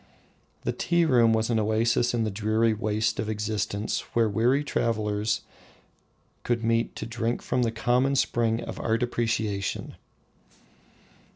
The tea room was an oasis in the dreary waste of existence where weary travellers could meet to drink from the common spring of art appreciation.